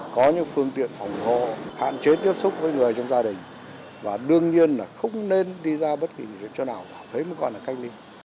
có những phương tiện phòng hộ hạn chế tiếp xúc với người trong gia đình và đương nhiên là không nên đi ra bất kỳ chỗ nào thấy mới gọi là cách ly